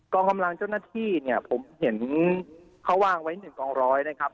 กองกำลังเจ้าหน้าที่ผมเห็นเขาวางไว้๑กอง๑๐๐นะครับ